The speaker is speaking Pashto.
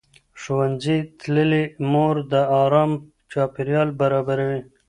ښوونځې تللې مور د ارام چاپېریال برابروي.